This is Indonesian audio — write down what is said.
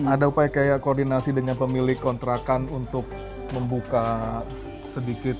ada upaya kayak koordinasi dengan pemilik kontrakan untuk membuka sedikit